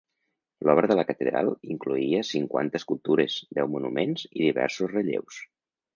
L'obra de la catedral incloïa cinquanta escultures, deu monuments i diversos relleus.